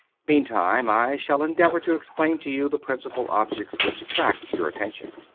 Meantime, I shall endeavor to explain to you the principal objects which attract your attention.